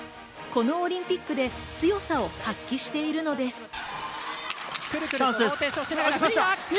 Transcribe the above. このオリンピックで強さを発揮しているのです。